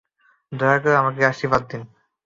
দয়া করে আমাকে আশীর্বাদ দিন!